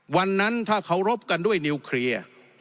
วันนั้นถ้าเขารบกันด้วยนิวเคลียร์